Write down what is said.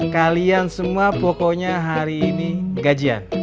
kalian semua pokoknya hari ini gajian